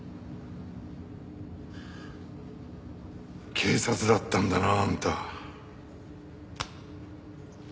警察だったんだなあんた。